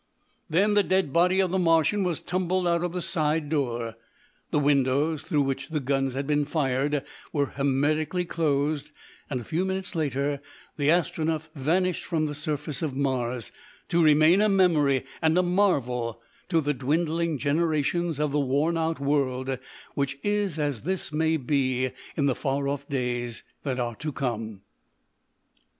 Then the dead body of the Martian was tumbled out of the side door. The windows through which the guns had been fired were hermetically closed, and a few minutes later the Astronef vanished from the surface of Mars, to remain a memory and a marvel to the dwindling generations of the worn out world which is as this may be in the far off days that are to come.